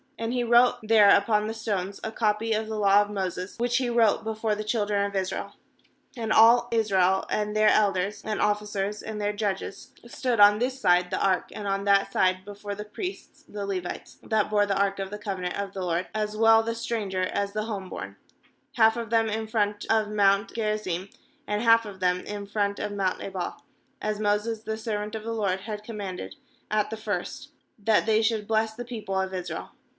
32And he wrote there upon the stones a copy of the law of Moses, which he wrote before the children of Israel. ^And all Israel, and then: elders and officers, and their judges, stood on this side the ark and on that side before the priests the Levites, that bore the ark of the covenant of the LORD, as well the stranger as the home born; half of them in front of mount Gerizim, and half of them in front of mount Ebal; as Moses the servant of the LORD had commanded at the first, that they should bless the people of Israel.